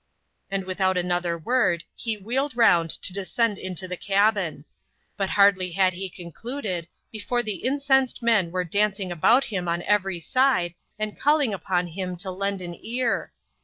And, without another word, he wheeled round to descend into the cabin. But hardly had he concluded, before the incensed men were dancing about him on every side, and calling upon him to lend an ear.